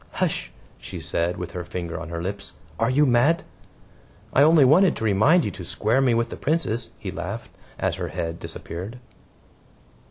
"Hush," she said, with her finger on her lips. "Are you mad?" "I only wanted to remind you to square me with the Princess," he laughed as her head disappeared.